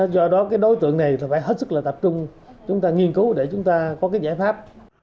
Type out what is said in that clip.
do đó đối tượng này phải hết sức tập trung chúng ta nghiên cứu để chúng ta có giải pháp